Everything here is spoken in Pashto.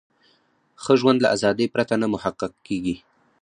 ښه ژوند له ازادۍ پرته نه محقق کیږي.